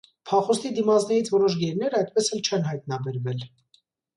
Փախուստի դիմածներից որոշ գերիներ այդպես էլ չեն հայտնաբերվել։